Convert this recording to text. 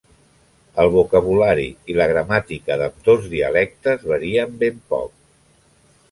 El vocabulari i la gramàtica d'ambdós dialectes varien ben poc.